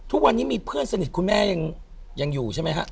ทุกวันนี้มีเพื่อนสนิทคุณแม่ยังอยู่ใช่ไหมฮะ